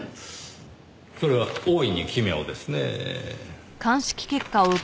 それは大いに奇妙ですねぇ。